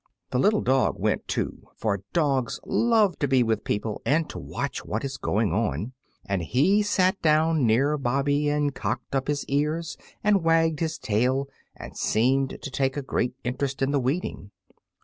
The little dog went too, for dogs love to be with people and to watch what is going on; and he sat down near Bobby and cocked up his ears and wagged his tail and seemed to take a great interest in the weeding.